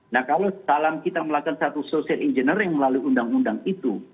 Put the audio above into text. nah kalau salam kita melakukan satu social engineering melalui undang undang itu